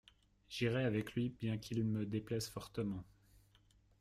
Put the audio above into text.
J’irai avec lui bien qu’il me déplaise fortement.